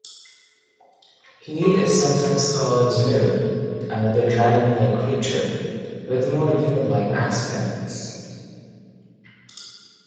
He is sometimes called "zmeu", another dragon-like creature, with more human-like aspects.